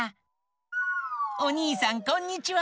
おにいさんこんにちは。